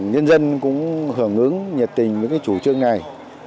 nhân dân cũng hưởng ứng nhật tình với chủ trương này